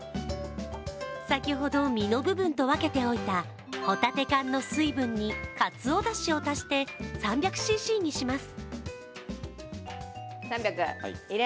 先ほど身の部分と分けておいたホタテ缶の水分にかつおだしを足して、３００ｃｃにします。